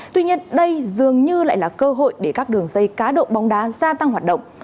tuy nhiên đây dường như lại là cơ hội để các đường dây cá độ bóng đá gia tăng hoạt động